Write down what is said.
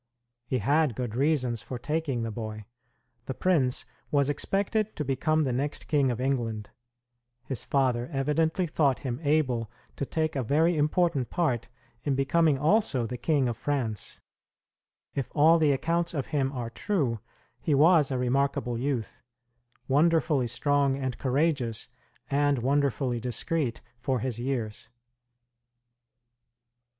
He had good reasons for taking the boy. The prince was expected to become the next King of England. His father evidently thought him able to take a very important part in becoming also the King of France. If all the accounts of him are true, he was a remarkable youth; wonderfully strong and courageous, and wonderfully discreet for his years.